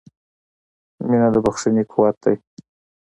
• مینه د بښنې قوت دی.